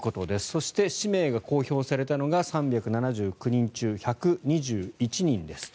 そして、氏名が公表されたのが３７９人中１２１人です。